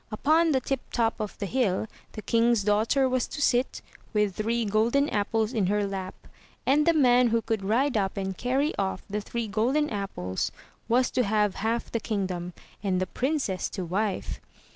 Upon the tip top of the hill the king's daughter was to sit, with three golden apples in her lap, and the man who could ride up and carry off the three golden apples was to have half the kingdom, and the princess to wife.